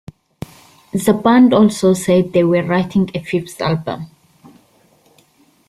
The band also said they were writing a fifth album.